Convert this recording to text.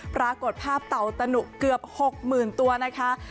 ปรากฏภาพเต่าตนุเกือบหกหมื่นตัวนะคะ